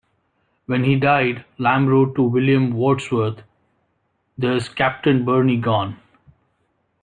When he died, Lamb wrote to William Wordsworth: There's Captain Burney gone!